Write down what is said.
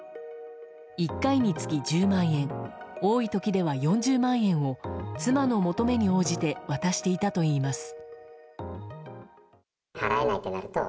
１回につき１０万円多い時では４０万円を妻の求めに応じて渡していたといいます。